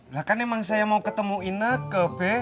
lah kan emang saya mau ketemu ine ke be